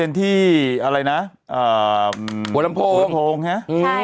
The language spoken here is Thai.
เป็นการกระตุ้นการไหลเวียนของเลือด